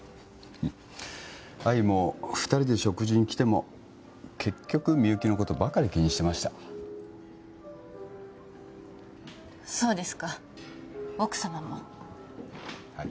愛も二人で食事に来ても結局みゆきのことばかり気にしてましたそうですか奥様もはい・